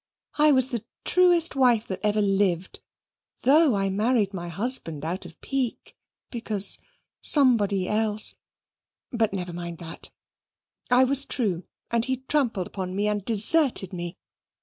I was the truest wife that ever lived, though I married my husband out of pique, because somebody else but never mind that. I was true, and he trampled upon me and deserted me.